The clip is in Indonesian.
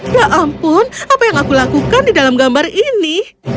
ya ampun apa yang aku lakukan di dalam gambar ini